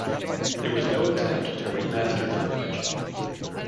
There was no attempt to remaster the footage.